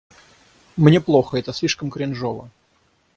Мне плохо, это слишком кринжово.